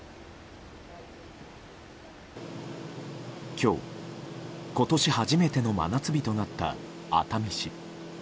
今日、今年初めての真夏日となった熱海市。